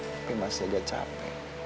tapi masih agak capek